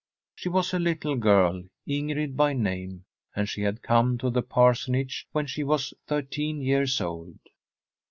She was a little girl, Ingrid by name, and she had come to the parsonage when she was thirteen years old.